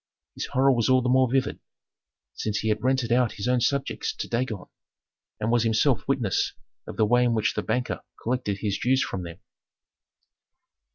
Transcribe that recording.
His horror was all the more vivid, since he had rented out his own subjects to Dagon, and was himself witness of the way in which the banker collected his dues from them.